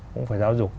cũng phải giáo dục